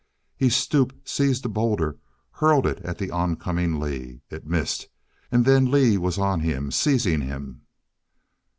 He stooped; seized a boulder, hurled it at the oncoming Lee. It missed; and then Lee was on him, seizing him.